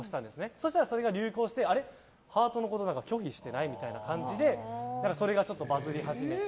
そしたらそれが流行してハートのことを拒否してない？みたいな感じでそれがバズり始めて。